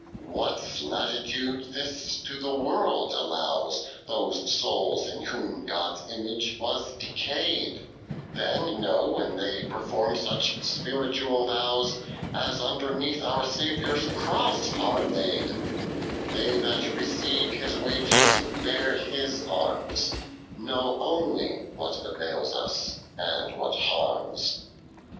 90. What latitude this to the world allows, Those souls in whom God's image was decay'd, Then know, when they perform such spiritual vows 270 OF RKLIGIOX. As underneath our Saviour s cross are laid : They that receive His wages, bear His arms, Know onely what avails us, and what harms.